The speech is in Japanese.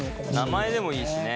名前でもいいしね。